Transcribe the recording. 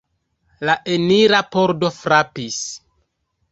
La enira pordo frapis.